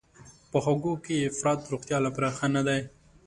په خوږو کې افراط د روغتیا لپاره ښه نه دی.